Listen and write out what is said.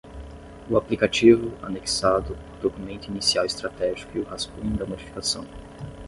O aplicativo, anexado, o Documento Inicial Estratégico e o rascunho da Modificação.